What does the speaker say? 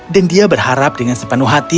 dan dia berharap dengan sepenuh hati